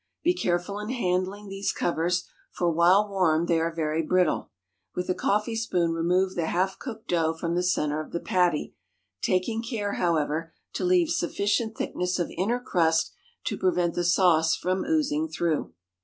Be careful in handling these covers, for while warm they are very brittle. With a coffee spoon remove the half cooked dough from the centre of the patty, taking care, however, to leave sufficient thickness of inner crust to prevent the sauce from oozing through.